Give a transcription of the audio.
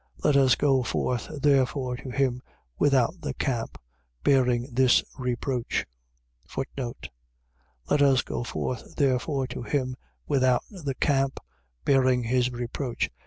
Let us go forth therefore to him without the camp, bearing his reproach. Let us go forth therefore to him without the camp, bearing his reproach.